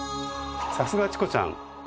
さすがチコちゃん！